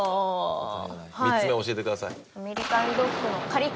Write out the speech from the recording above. ３つ目教えてください。